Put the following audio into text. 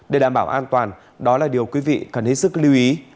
để đảm bảo an toàn đó là điều quý vị cần hết sức lưu ý